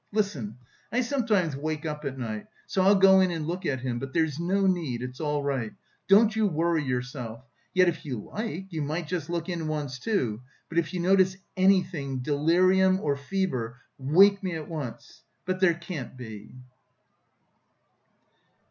Listen. I sometimes wake up at night; so I'll go in and look at him. But there's no need, it's all right. Don't you worry yourself, yet if you like, you might just look in once, too. But if you notice anything delirium or fever wake me at once. But there can't be...."